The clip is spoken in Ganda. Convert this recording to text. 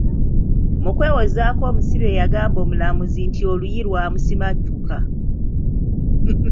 Mu kwewozaako omusibe yagambye omulamuzi nti oluyi lwamusimattuka.